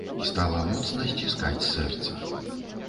Стала моцна сціскаць сэрца.